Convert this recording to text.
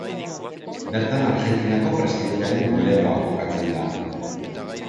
Bertan Argentinako Presidentearen bulegoa kokatzen da.